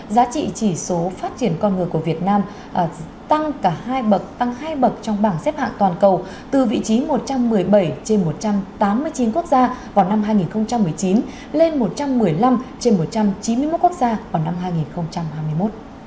giá trị chỉ số phát triển con người của việt nam tăng cả hai bậc tăng hai bậc trong bảng xếp hạng toàn cầu từ vị trí một trăm một mươi bảy trên một trăm tám mươi chín quốc gia vào năm hai nghìn một mươi chín lên một trăm một mươi năm trên một trăm chín mươi một quốc gia vào năm hai nghìn hai mươi một